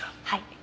はい。